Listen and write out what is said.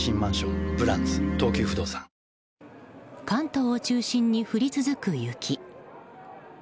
関東を中心に降り続く雪。